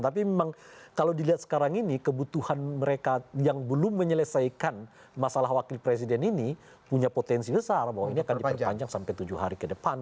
tapi memang kalau dilihat sekarang ini kebutuhan mereka yang belum menyelesaikan masalah wakil presiden ini punya potensi besar bahwa ini akan diperpanjang sampai tujuh hari ke depan